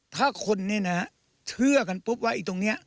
ถ้าคนเชื่อกันปุ๊บว่าอีกตรงนี้